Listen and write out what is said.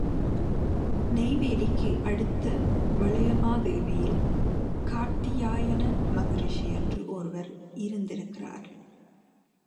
நெய்வேலிக்கு அடுத்த வளையமாதேவியில் கார்த்தியாயன மகரிஷி என்று ஒருவர் இருந்திருக்கிறார்.